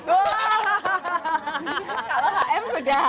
kalau hm sudah